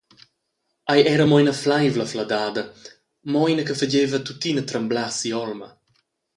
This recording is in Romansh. Ei era mo ina fleivla fladada, mo ina che fageva tuttina tremblar si’olma.